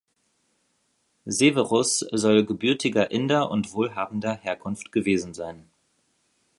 Severus soll gebürtiger Inder und wohlhabender Herkunft gewesen sein.